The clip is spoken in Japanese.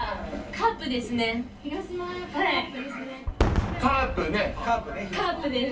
カープです。